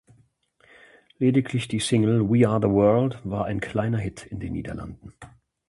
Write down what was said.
Lediglich die Single "We Are The World" war ein kleiner Hit in den Niederlanden.